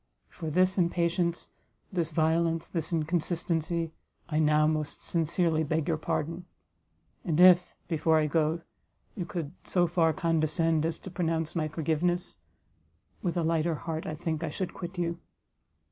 For this impatience, this violence, this inconsistency, I now most sincerely beg your pardon; and if, before I go, you could so far condescend as to pronounce my forgiveness, with a lighter heart, I think, I should quit you."